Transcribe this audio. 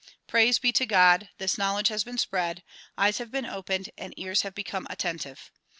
Praise be to God ! this knowledge has been spread, eyes have been opened and ears have become attentive.